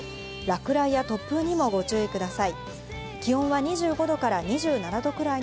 落雷や突風にもご注意ください。